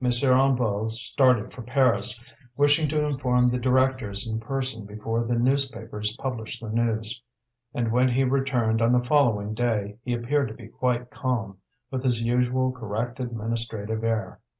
Hennebeau started for Paris, wishing to inform the directors in person before the newspapers published the news. And when he returned on the following day he appeared to be quite calm, with his usual correct administrative air.